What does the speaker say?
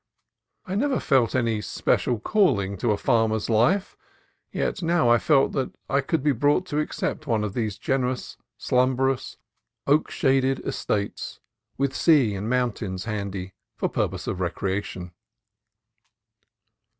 I never felt any special calling to a farmer's life; yet now I felt that I could be brought to accept one of these generous, slumberous, oak shaded estates, with sea and moun tains handy for purposes of recreation.